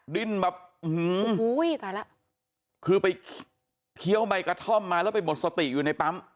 ดิ้นแบบโอ้โหตายแล้วคือไปเคี้ยวใบกระท่อมมาแล้วไปหมดสติอยู่ในปั๊ม